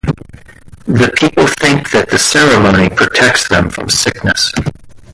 The people think that the ceremony protects them from sickness.